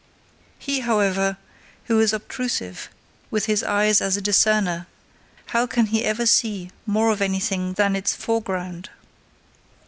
He, however, who is obtrusive with his eyes as a discerner, how can he ever see more of anything than its foreground!